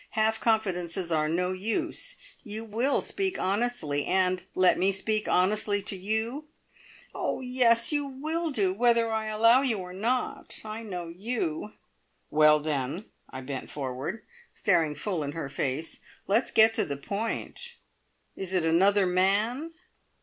Half confidences are no use. You will speak honestly, and let me speak honestly to you?" "Oh, yes! You will do, whether I allow you or not. I know you!" "Well, then" I bent forward, staring full in her face "let's get to the point. Is it another man?"